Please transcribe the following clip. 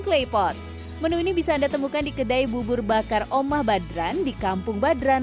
klepot menu ini bisa anda temukan di kedai bubur bakar omah badran di kampung badran